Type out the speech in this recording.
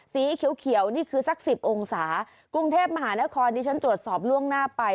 สีเขียวนี่คือสักสิบองศากรุงเทพมหานครที่ฉันตรวจสอบล่วงหน้าไป